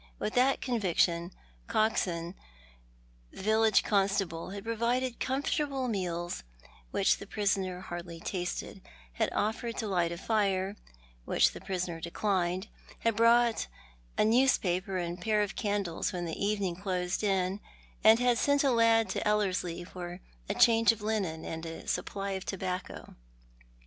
With that conviction, Coxon, the village constable, had provided com fortable meals which the prisoner hardly tasted, had offered to light a fire, which the prisoner declined, had brought a news paper and a pair of caudles when evening closed in, and had sent a lad to EUerslie for a change of linen and a supply of tobacco.